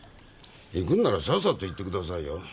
行くんならさっさと行って下さいよ。